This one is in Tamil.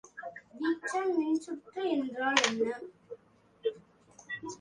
வீட்சன் மின்சுற்று என்றால் என்ன?